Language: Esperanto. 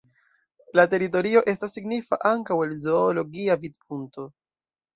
La teritorio estas signifa ankaŭ el zoologia vidpunkto.